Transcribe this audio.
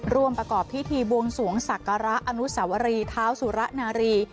ร่วมประกอบพิธีบวงสวงศักระอนุสวรีเท้าสุระนารี